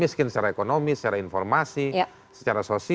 miskin secara ekonomi secara informasi